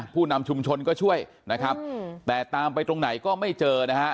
ผู้นำชุมชนก็ช่วยนะครับแต่ตามไปตรงไหนก็ไม่เจอนะฮะ